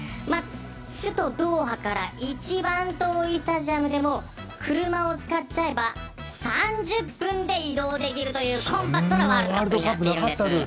首都ドーハから一番遠いスタジアムでも車を使っちゃえば３０分で移動できるというコンパクトなワールドカップになっています。